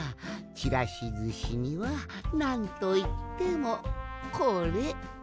ちらしずしにはなんといってもこれ！